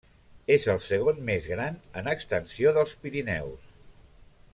És el segon més gran en extensió dels Pirineus.